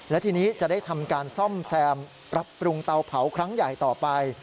และทีนี้จะได้ทำการซ่อมแซมปรับปรุงเตาเผาครั้งใหญ่ต่อไป